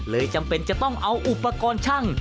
จำเป็นจะต้องเอาอุปกรณ์ช่าง